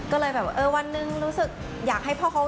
ก็เลยวันนึงรู้สึกอยากให้พ่อเขา